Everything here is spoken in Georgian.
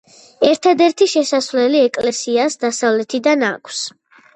ერთადერთი შესასვლელი ეკლესიას დასავლეთიდან აქვს.